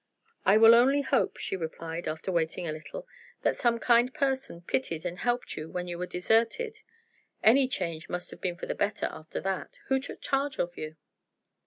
"I will only hope," she replied, after waiting a little, "that some kind person pitied and helped you when you were deserted. Any change must have been for the better after that. Who took charge of you?"